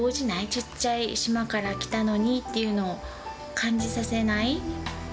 ちっちゃい島から来たのにっていうのを感じさせない。